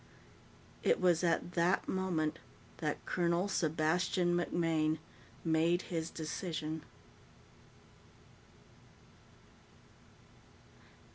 It was at that moment that Colonel Sebastian MacMaine made his decision.